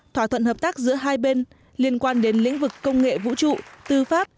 thỏa thuận hợp tác giữa hai bên liên quan đến lĩnh vực công nghệ vũ trụ tư pháp